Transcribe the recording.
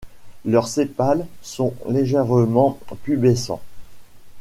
Leurs sépales sont légèrement pubescents.